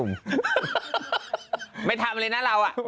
ไม่ทำเลยนะเรา